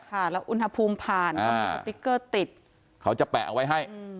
แล้วอุณหภูมิผ่านสติ๊กเกอร์ติดเขาจะแปะไว้ให้